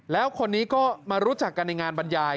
แล้วคนนี้ก็มารู้จักกันในงานบรรยาย